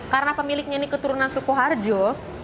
karena pemiliknya ini keturunan suku harjo